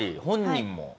本人も。